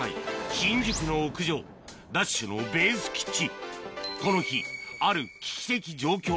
新宿の屋上ＤＡＳＨのベース基地